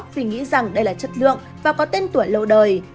vì nghĩ rằng đây là chất lượng và có tên tuổi lâu đời